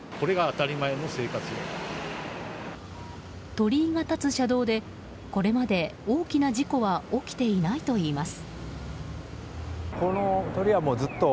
鳥居が立つ車道でこれまで大きな事故は起きていないといいます。